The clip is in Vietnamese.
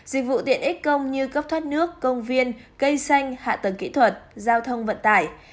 dịch vụ tiện ích công như cấp thoát nước công viên cây xanh hạ tầng kỹ thuật giao thông vận tải